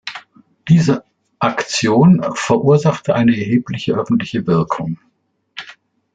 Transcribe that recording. Diese Aktion verursachte eine erhebliche öffentliche Wirkung.